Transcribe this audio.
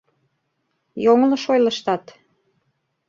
Йоҥылыш ойлыштат...